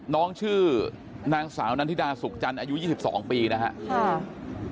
น้องชื่อนางสาวนันทิดาสุขจันทร์อายุ๒๒ปีนะครับ